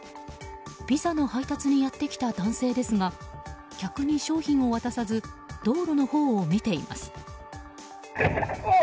ピザの配達にやってきた男性ですが客に商品を渡さず道路のほうを見ています。